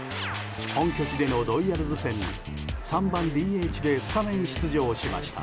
本拠地でのロイヤルズ戦に３番ＤＨでスタメン出場しました。